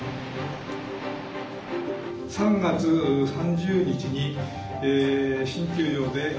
３月３０日に新球場で。